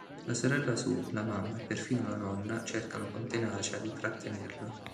La sorella Sue, la mamma, e perfino la nonna, cercano con tenacia di trattenerlo.